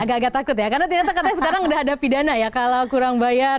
agak agak takut ya karena katanya sekarang udah ada pidana ya kalau kurang bayar